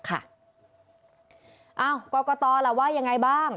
เอากรกตอะว่ายังไงบ้าง